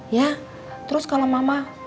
ya terus kalau mama